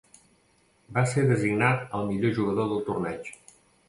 Va ser designat el millor jugador del torneig.